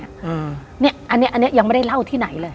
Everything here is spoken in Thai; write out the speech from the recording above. อันนี้ยังไม่ได้เล่าที่ไหนเลย